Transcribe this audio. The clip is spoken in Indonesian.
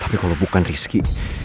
tapi kalau bukan rizky